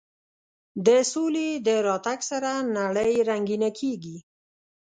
د سولې د راتګ سره نړۍ رنګینه کېږي.